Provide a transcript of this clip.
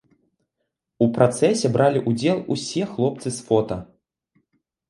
У працэсе бралі ўдзел усе хлопцы з фота.